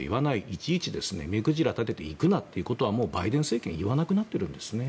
いちいち目くじら立てて行くなっていうことはもうバイデン政権は言わなくなってるんですね。